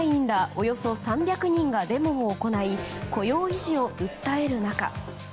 およそ３００人がデモを行い雇用維持を訴える中。